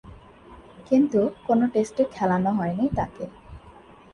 কিন্তু, কোন টেস্টে খেলানো হয়নি তাকে।